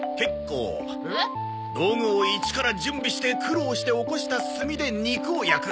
道具を一から準備して苦労しておこした炭で肉を焼く。